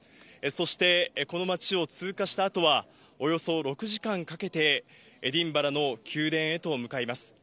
そして、この町を通過したあとは、およそ６時間かけて、エディンバラの宮殿へと向かいます。